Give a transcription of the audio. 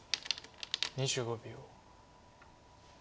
２５秒。